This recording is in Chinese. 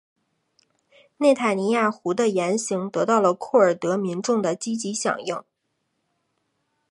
内塔尼亚胡的言行得到了库尔德民众的积极响应。